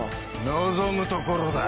望むところだ。